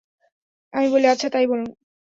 আমি বলি, আচ্ছা, তাই বলুন।